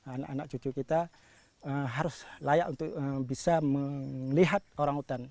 anak anak cucu kita harus layak untuk bisa melihat orang hutan